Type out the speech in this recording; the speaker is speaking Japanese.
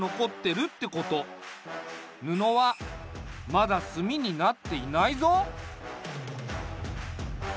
ぬのはまだ炭になっていないぞ。